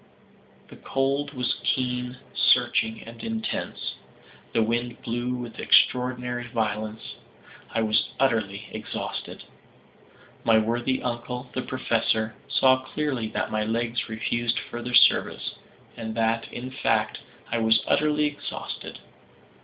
The cold was keen, searching and intense. The wind blew with extraordinary violence. I was utterly exhausted. My worthy uncle, the Professor, saw clearly that my legs refused further service, and that, in fact, I was utterly exhausted.